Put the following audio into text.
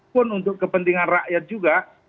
pun untuk kepentingan rakyat juga